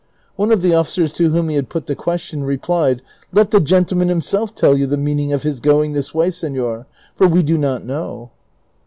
One of the officers to whom he had put the question, replied, " Let the gentleman himself tell you the meaning of his going this way, senor, for we do not know."